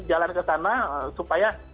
jalan ke sana supaya